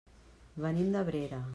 Venim d'Abrera.